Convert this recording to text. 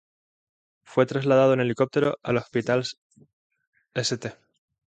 Fue trasladado en helicóptero al Hospital St.